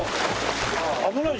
危ない！